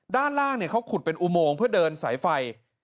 ด้านล่างเขาขุดเป็นอุโมงเพื่อเดินสายไฟ